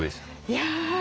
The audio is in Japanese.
いや。